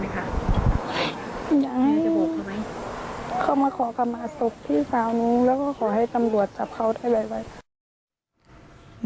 เขามาขอกรรมสมุทรพี่สาวนู้นแล้วก็ขอให้ตำรวจจับเขาได้เลย